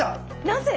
なぜ？